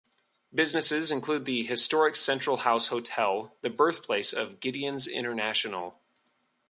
Businesses include the historic Central House Hotel, the birthplace of Gideons International.